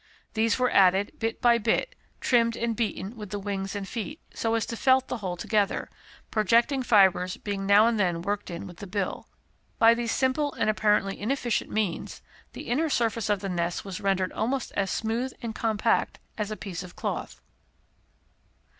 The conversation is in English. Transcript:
These were added bit by bit, trimmed and beaten with the wings and feet, so as to felt the whole together, projecting fibres being now and then worked in with the bill. By these simple and apparently inefficient means, the inner surface of the nest was rendered almost as smooth and compact as a piece of cloth.